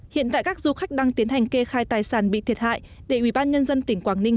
hiện tại các du khách đang tiến hành kê khai tài sản bị thiệt hại để ủy ban nhân dân tỉnh quảng ninh